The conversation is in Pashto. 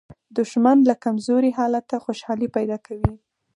دښمن له کمزوري حالته خوشالي پیدا کوي